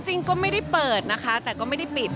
จริงก็ไม่ได้เปิดนะคะแต่ก็ไม่ได้ปิด